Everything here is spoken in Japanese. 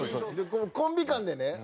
このコンビ間でね